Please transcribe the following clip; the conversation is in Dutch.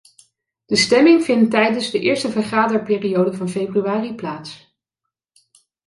De stemming vindt tijdens de eerste vergaderperiode van februari plaats.